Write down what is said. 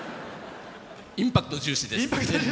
インパクト重視です。